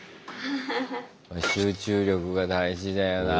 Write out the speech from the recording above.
集中力が大事だよなぁ。